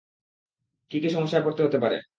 কী কী সমস্যায় পড়তে হতে পারে?